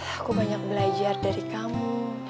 aku banyak belajar dari kamu